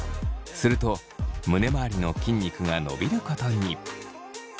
すると胸まわりの筋肉が伸びることに。